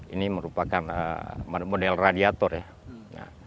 ini merupakan model radiator ya